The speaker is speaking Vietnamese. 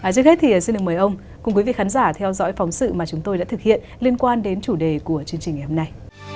trước hết thì xin được mời ông cùng quý vị khán giả theo dõi phóng sự mà chúng tôi đã thực hiện liên quan đến chủ đề của chương trình ngày hôm nay